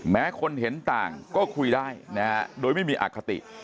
แม้คนเห็นต่างก็คุยได้นะฮะโดยไม่มีอคติ